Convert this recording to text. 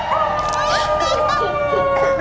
โอ้โฮไม่ต้อง